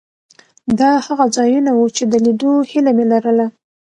دا هغه ځایونه وو چې د لیدو هیله مې لرله.